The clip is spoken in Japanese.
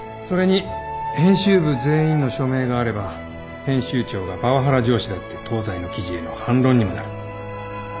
それに編集部全員の署名があれば編集長がパワハラ上司だって『東西』の記事への反論にもなる。